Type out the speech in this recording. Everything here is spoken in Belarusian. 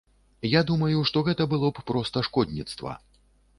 Я думаю, што гэта было б проста шкодніцтва.